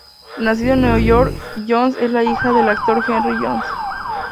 Nacida en Nueva York, Jones es la hija del actor Henry Jones.